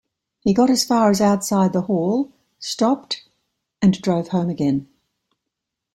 He got as far as outside the hall, stopped - and drove home again.